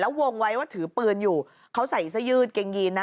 แล้ววงไว้ว่าถือปืนอยู่เขาใส่ซะยืดเกรงยีนนะ